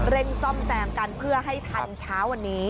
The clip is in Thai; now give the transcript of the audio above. ซ่อมแซมกันเพื่อให้ทันเช้าวันนี้